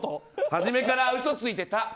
初めから嘘ついてた。